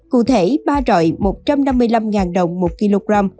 cụ thể ba rọi một trăm năm mươi năm đồng một kg